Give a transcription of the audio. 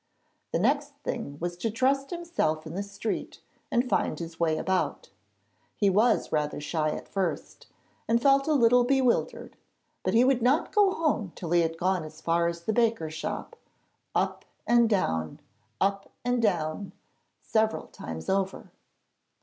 The next thing was to trust himself in the street, and find his way about. He was rather shy at first, and felt a little bewildered, but he would not go home till he had gone as far as the baker's shop up and down, up and down, several times over.